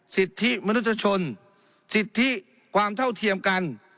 สิทธิมนุษยชนสิทธิความเท่าเทียมกัน